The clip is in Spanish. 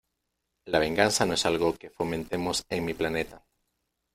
La venganza no es algo que fomentemos en mi planeta.